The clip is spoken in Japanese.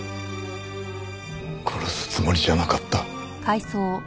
殺すつもりじゃなかった。